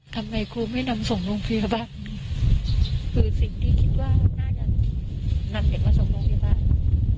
ทำไมครูไม่นำส่งโรงพยาบาลคือสิ่งที่คิดว่าน่าจะนำเด็กมาส่งโรงพยาบาล